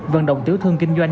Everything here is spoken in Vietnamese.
vận động tiểu thương kinh doanh